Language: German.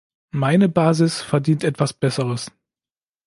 Meine Basis verdient etwas Besseres.